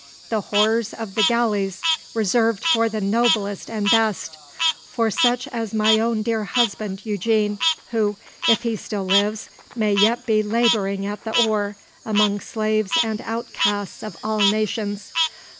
the horrors of the galleys reserved for the noblest and best, for such as my own dear husband Eugene, who, if he still lives, may yet be labouring at the oar, among slaves and outcasts of all nations!